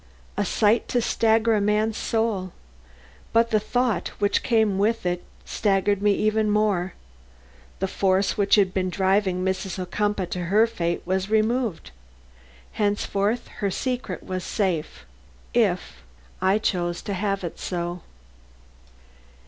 A sight to stagger a man's soul! But the thought which came with it staggered me still more. The force which had been driving Mrs. Ocumpaugh to her fate was removed. Henceforth her secret was safe if if I chose to have it so.